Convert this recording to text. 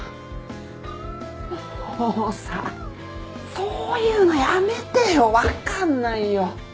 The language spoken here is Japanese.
もうさぁそういうのやめてよ分かんないよ。